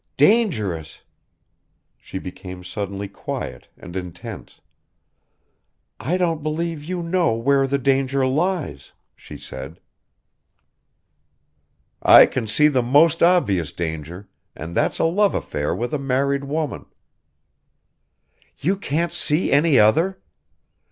"Dangerous!" She became suddenly quiet and intense. "I don't believe you know where the danger lies," she said. "I can see the most obvious danger, and that's a love affair with a married woman." "You can't see any other?